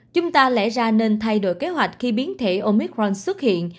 chúng ta lẽ ra nên thay đổi kế hoạch khi biến thể omicron xuất hiện